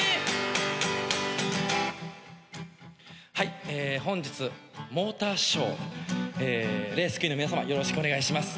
はい本日モーターショーレースクイーンの皆さまよろしくお願いします。